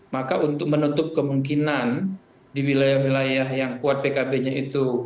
maka untuk menutup kemungkinan di wilayah wilayah yang kuat pkb nya itu